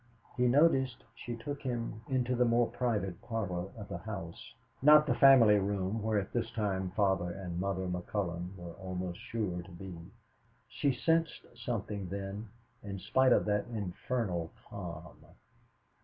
He noticed she took him into the more private parlor of the house, not the family room where at this time Father and Mother McCullon were almost sure to be. She sensed something then, in spite of that infernal calm.